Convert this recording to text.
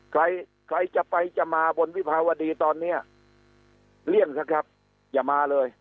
ใครใครจะไปจะมาบนวิภาวดีตอนเนี้ยเลี่ยงเถอะครับอย่ามาเลย